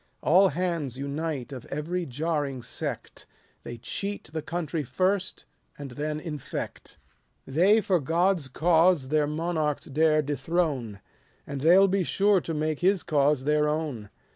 All hands unite, of every jarring sect ; They cheat the country first, and then infect. They for God's cause their monarchs dare dethrone, And they '11 be sure to make his cause their own.